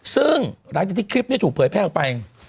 ซึ่งหลังจากที่คลิปนี้ถูกเผยแพร่ออกไป